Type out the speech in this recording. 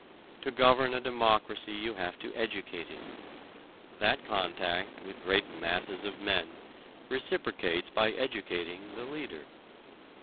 To govern a democracy you have to educate it: that contact with great masses of men reciprocates by educating the leader.